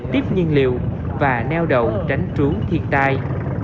tiếp nhiên liệu và neo đậu tránh trú thiệt tai